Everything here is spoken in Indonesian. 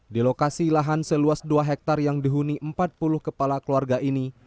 di lokasi lahan seluas dua hektare yang dihuni empat puluh kepala keluarga ini